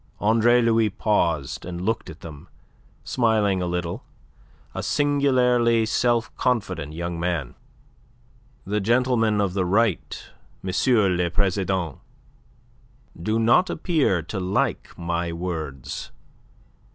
Andre Louis paused, and looked at them, smiling a little, a singularly self confident young man. "The gentlemen of the Right, M. le President, do not appear to like my words.